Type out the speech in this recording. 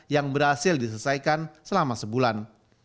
yang berhasil diselesaikan selama sebulan